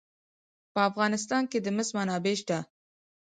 په افغانستان کې د مس منابع شته.